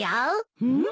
うん？